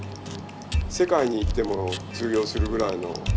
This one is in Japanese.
世界に行っても通用するぐらいの。